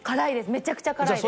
めちゃくちゃ辛いです。